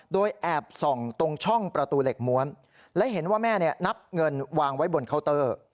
โดยแอบส่องตรงช่องประตูเหล็กม้วนและเห็นว่าแม่นับเงินวางไว้บนเคาน์เตอร์